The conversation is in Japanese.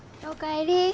お帰り。